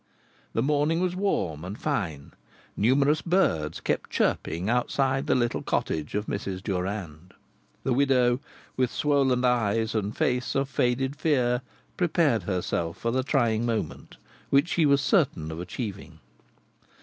The morning was warm and fine; numerous birds kept chirping outside the little cottage of Mrs. Durand. The widow, with swollen eyes and face of faded fear, prepared herself for the trying moment, which she was certain of achieving.